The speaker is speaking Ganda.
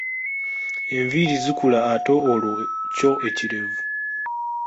Enviiri zikula ate olwo kyo ekirevu?